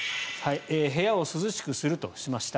部屋を涼しくするとしました。